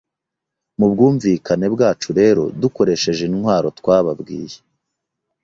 Mu bwumvikane bwacu rero dukoresheje intwaro twababwiye,